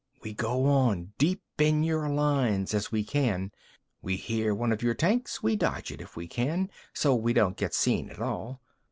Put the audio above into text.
We go on, deep in your lines as we can. We hear one of your tanks, we dodge it if we can, so we don't get seen at all.